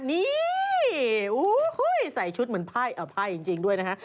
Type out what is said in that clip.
นี่ใส่ชุดเหมือนไพ่จริงด้วยนะฮะ